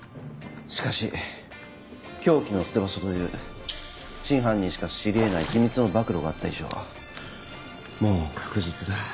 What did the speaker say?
しかし凶器の捨て場所という真犯人しか知り得ない秘密の暴露があった以上もう確実だ。